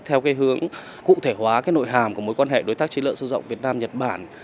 theo cái hướng cụ thể hóa cái nội hàm của mối quan hệ đối tác chiến lược sâu rộng việt nam nhật bản